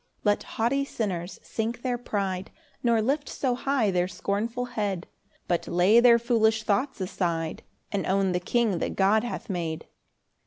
4 Let haughty sinners sink their pride, Nor lift so high their scornful head; But lay their foolish thoughts aside, And own the king that God hath made.